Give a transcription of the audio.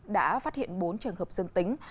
đã phát hiện bốn trường hợp dương tính